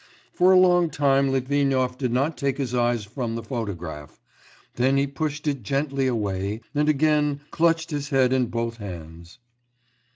For a long time Litvinov did not take his eyes from the photograph, then he pushed it gently away and again clutched his head in both hands.